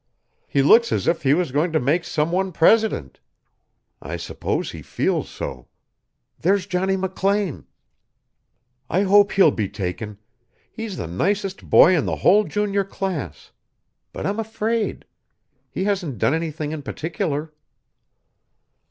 He looks as if he was going to make some one president. I suppose he feels so. There's Johnny McLean. I hope he'll be taken he's the nicest boy in the whole junior class but I'm afraid. He hasn't done anything in particular."